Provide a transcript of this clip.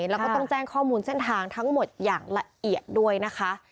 แล้วก็ต้องแจ้งข้อมูลเส้นทางทั้งหมดอย่างละเอียดด้วยนะคะ